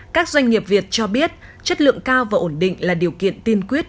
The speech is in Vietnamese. các doanh nghiệp việt cho biết chất lượng cao và ổn định là điều kiện tiên quyết